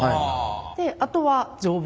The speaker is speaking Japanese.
であとは丈夫。